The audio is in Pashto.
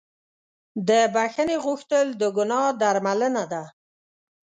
د بښنې غوښتل د ګناه درملنه ده.